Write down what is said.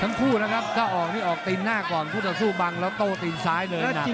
ทั้งคู่นะครับก็ออกตีนหน้าก่อนผู้ต่อสู้บังแล้วโตตีนซ้ายเดินหนักนะครับ